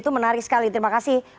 itu menarik sekali terima kasih